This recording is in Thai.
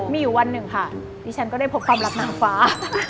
มีอยู่วันหนึ่งค่ะดิฉันก็ได้พบความรักนางฟ้า